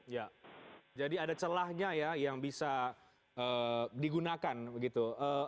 ya jadi ada celahnya ya yang bisa digunakan begitu